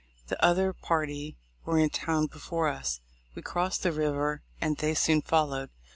The other party were in town before us. We crossed the river, and they soon followed.